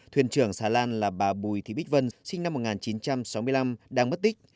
thuyền trưởng xà lan là bà bùi thị bích vân sinh năm một nghìn chín trăm sáu mươi năm đang mất tích